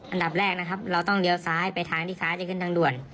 อันดับแรกนะครับเราต้องเลี้ยวซ้ายไปทางที่ซ้ายจะขึ้นทางด่วน